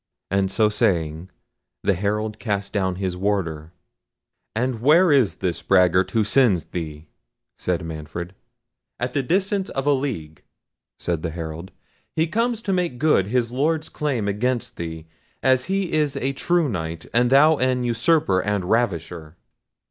And so saying the Herald cast down his warder. "And where is this braggart who sends thee?" said Manfred. "At the distance of a league," said the Herald: "he comes to make good his Lord's claim against thee, as he is a true knight, and thou an usurper and ravisher."